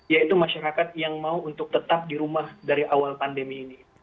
yaitu masyarakat yang mau untuk tetap di rumah dari awal pandemi ini